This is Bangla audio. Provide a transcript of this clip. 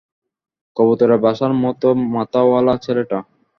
কবুতরের বাসার মতো মাথাওয়ালা ছেলেটা।